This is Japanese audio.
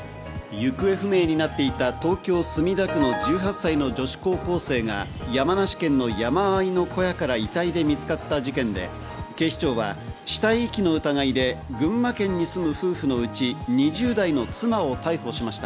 行方不明になっていた東京・墨田区の１８歳の女子高校生が山梨県の山あいの小屋から遺体で見つかった事件で、警視庁は死体遺棄の疑いで群馬県に住む夫婦のうち２０代の妻を逮捕しました。